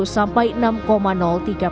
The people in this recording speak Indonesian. sampai delapan lima miliar dolar